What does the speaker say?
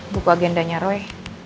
buku agendanya roy